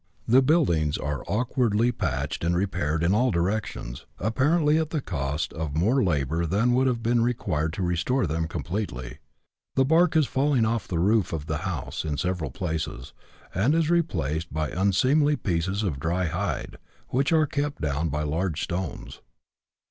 The buildings are awkwardly patched and repaired in all directions, apparently at the cost of more labour than would have been required to restore them completely. The bark is falling off the roof of the house in several places, and is replaced by unseemly pieces of dry hide, which are kept down by large stones.